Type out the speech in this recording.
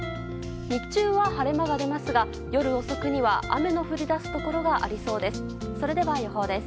日中は晴れ間が出ますが夜遅くには雨の降り出すところがありそうです。